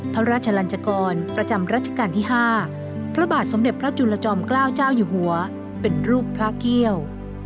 พระราชลันจกรประจำรัชกาลที่๕พระบาทสมเด็จพระจุลจอมเกล้าเจ้าอยู่หัวเป็นรูปพระเกี่ยว